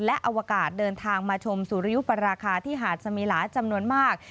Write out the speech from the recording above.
และอวกาศเดินทางมาชมสุริยุปราคาที่หาดสมิลาจำนวนมาก